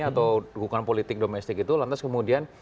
atau dukungan politik domestik itu lantas kemudian